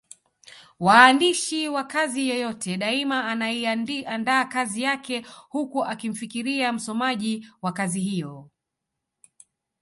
Waandishi wa kazi yeyote daima anaiandaa kazi yake huku akimfikiria msomaji wa kazi hiyo.